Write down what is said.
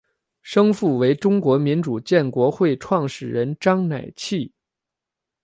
生父为中国民主建国会创始人章乃器。